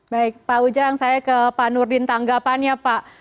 baik pak ujang saya ke pak nurdin tanggapannya pak